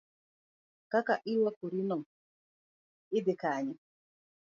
Kaka irwakorino ni dhi kanye.